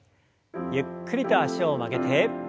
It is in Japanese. ゆっくりと脚を曲げて。